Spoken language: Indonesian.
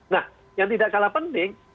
nah yang tidak kalah penting